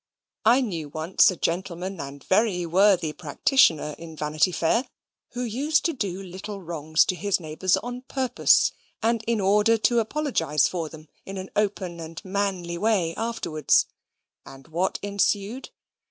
I knew once a gentleman and very worthy practitioner in Vanity Fair, who used to do little wrongs to his neighbours on purpose, and in order to apologise for them in an open and manly way afterwards and what ensued?